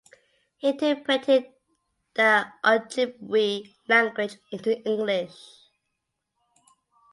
He interpreted the Ojibwe language into English.